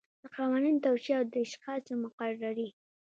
د قوانینو توشیح او د اشخاصو مقرري.